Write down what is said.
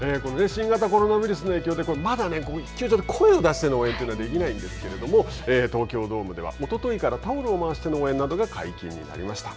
新型コロナウイルスの影響でまだ球場で声を出しての応援というのはできないんですけど東京ドームでは、おとといからタオルを回しての応援が解禁になりました。